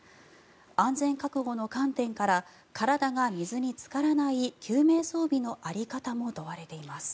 安全確保の観点から体が水につからない救命装備の在り方も問われています。